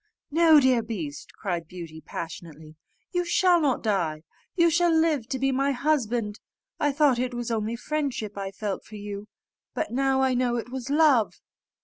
"No, dear beast," cried Beauty, passionately, "you shall not die; you shall live to be my husband. I thought it was only friendship I felt for you, but now I know it was love."